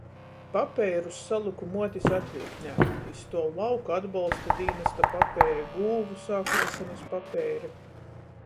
Papeirus salyku muotis atviļktnē. Tī stuov lauku atbolsta dīnāsta papeiri, gūvu sākluošonys papeiri.